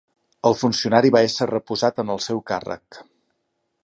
El funcionari va ésser reposat en el seu càrrec.